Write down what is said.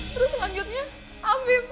terus selanjutnya afif